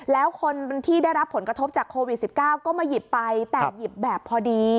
แล้วคนที่ได้รับผลกระทบจากโควิด๑๙ก็มาหยิบไปแต่หยิบแบบพอดี